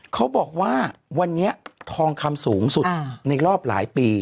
เขาบอกว่าวันนี้ทองคำสูงสุดในรอบหลายปี